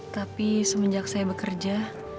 tapi semenjak saya bekerja